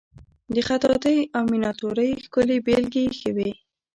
د خطاطی او میناتوری ښکلې بیلګې ایښې وې.